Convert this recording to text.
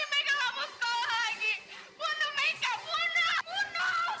dan ingat mulai sekarang kamu harus berdandan